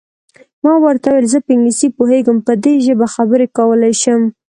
ما ورته وویل: زه په انګلیسي پوهېږم، په دې ژبه خبرې کولای شم.